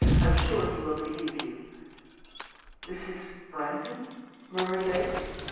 I'm sure he will relieve you.' 'This is Brandon?' murmured Lake.